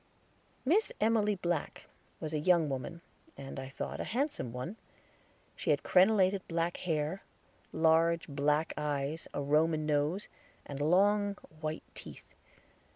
Miss Emily Black was a young woman, and, I thought, a handsome one. She had crenelated black hair, large black eyes, a Roman nose, and long white teeth.